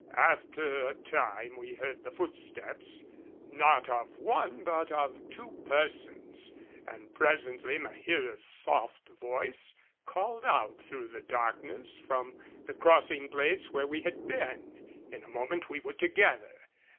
After a time we heard the footsteps not of one but of two persons, and presently Maheera's soft voice called out through the darkness from the crossing place where we had been. In a moment we were together.